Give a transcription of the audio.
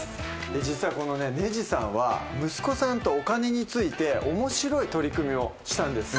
実はこのねじさんは息子さんとお金について面白い取り組みをしたんです。